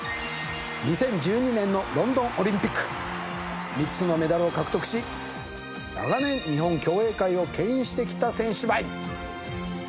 ２０１２年のロンドンオリンピック３つのメダルを獲得し長年日本競泳界を牽引してきた選手ばい！